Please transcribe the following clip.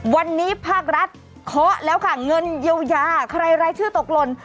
วันนี้ภาครัฐเคาะแล้วค่ะเงินเยียวยาใครรายชื่อตกหล่น